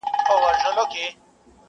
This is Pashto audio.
هر څوک بېلابېلي خبري کوي او ګډوډي زياتېږي-